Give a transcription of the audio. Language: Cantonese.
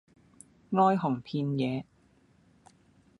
哀鴻遍野